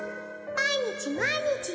「毎日毎日」